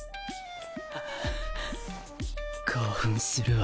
はぁ興奮するわ。